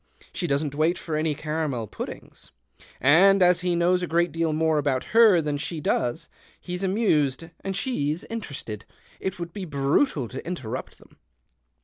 She doesn't wait for any caramel puddings. And as he knows a great deal more about her than she does, he's amused and she's interested. It would be brutal to interrupt them."